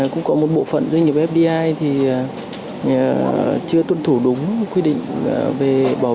cũng có một bộ phận doanh nghiệp fdi thì chưa tuân thủ đúng quy định về bảo vệ môi trường quy định pháp luật về lao động